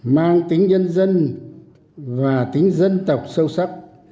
mang tính nhân dân và tính dân tộc sâu sắc